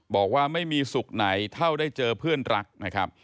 บอกว่าไม่มีสุขไหนเท่าได้เจอเพื่อนรักนะครับ